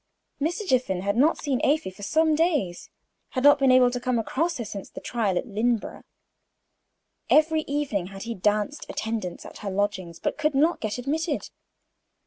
Mr. Jiffin had not seen Afy for some days had never been able to come across her since the trial at Lynneborough. Every evening had he danced attendance at her lodgings, but could not get admitted.